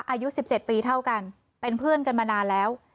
อายุ๑๗ปีเท่ากันเป็นเพื่อนกันมานานแล้ว